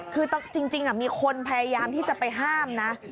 คือจริงมีคนพยายามที่จะไปห้ามนะ